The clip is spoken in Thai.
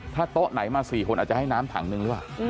ถ้าเตาะไหนมาสี่คนอาจจะให้ถังน้ำหนึ่งหรือว่ะ